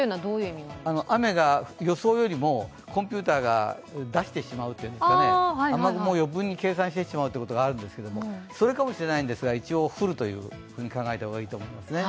雨が予想よりもコンピューターが出してしまうというんですかね、雨雲を余分に計算してしまうことがあるんですけど、それかもしれないんですが一応降ると考えた方がいいと思いますね。